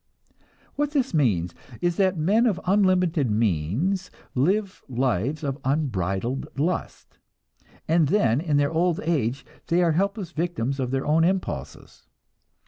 What this means is that men of unlimited means live lives of unbridled lust, and then in their old age they are helpless victims of their own impulses.